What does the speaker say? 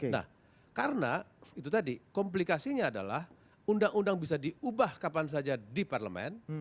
nah karena itu tadi komplikasinya adalah undang undang bisa diubah kapan saja di parlemen